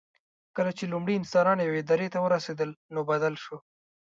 کله چې لومړي انسانان یوې درې ته ورسېدل، نو بدل شو.